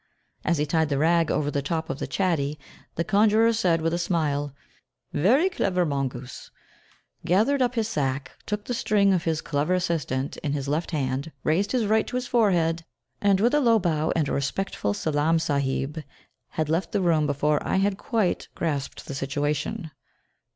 As he tied the rag over the top of the chatty, the conjurer said, with a smile, "Very clever mongoose," gathered up his sack, took the string of his clever assistant in his left hand, raised his right to his forehead, and with a low bow, and a respectful "Salâam, Sahib," had left the room before I had quite grasped the situation.